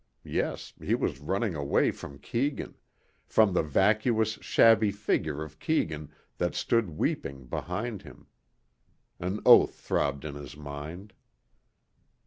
Yes, he was running away from Keegan from the vacuous, shabby figure of Keegan that stood weeping behind him. An oath throbbed in his mind.